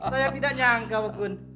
saya tidak nyangka wakun